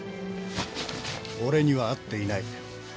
「俺には会っていない」